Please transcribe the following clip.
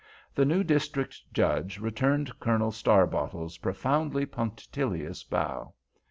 The new District Judge returned Colonel Starbottle's profoundly punctilious bow.